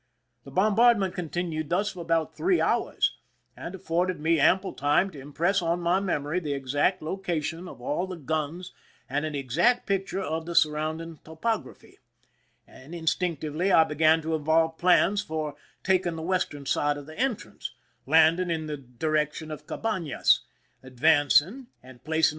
The bombardment continued thus for about three hours, and afforded me ample time to impress on my memory the exact location of all the guns and an exact picture of the surrounding topography; and instinctively I began to evolve plans for taking the western side of the entrance, landing in the direction of Cabanas, advancing and placing artil 202 ^^'f^4ri.